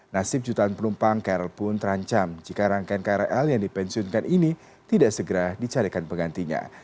nasib jutaan penumpang krl pun terancam jika rangkaian krl yang dipensiunkan ini tidak segera dicarikan penggantinya